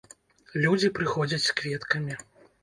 Людзі прыходзяць з кветкамі.